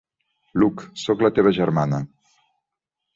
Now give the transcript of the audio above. Luke, soc la teva germana!